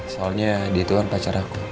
soalnya di itu kan pacar aku